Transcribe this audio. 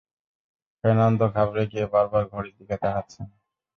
Fernando ঘাবড়ে গিয়ে বারবার ঘড়ির দিকে তাকাচ্ছেন।